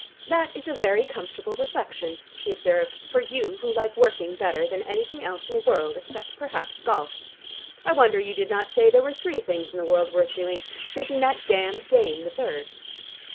"That is a very comfortable reflection," she observed, "for you who like working better than anything else in the world except perhaps golf. I wonder you did not say there were three things in the world worth doing, making that damned game the third."